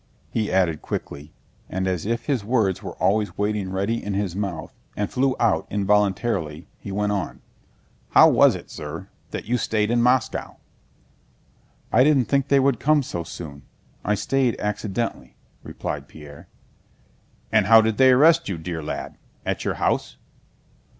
he added quickly, and as if his words were always waiting ready in his mouth and flew out involuntarily he went on: "How was it, sir, that you stayed in Moscow?" "I didn't think they would come so soon. I stayed accidentally," replied Pierre. "And how did they arrest you, dear lad? At your house?"